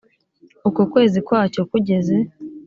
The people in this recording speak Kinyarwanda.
uko ukwezi kwacyo kugeze